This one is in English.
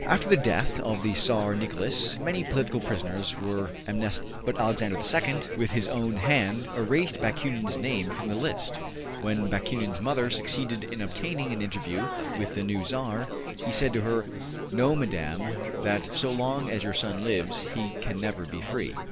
After the death of the Tsar Nicholas many political prisoners were amnested, but Alexander II with his own hand erased Bakunin's name from the list. When Bakunin's mother succeeded in obtaining an interview with the new Tsar, he said to her, ``Know, Madame, that so long as your son lives, he can never be free.''